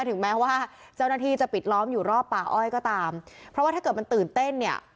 ถึงแม้ว่าเจ้าหน้าที่จะปิดล้อมอยู่รอบป่าอ้อยก็ตามเพราะว่าถ้าเกิดมันตื่นเต้นเนี่ย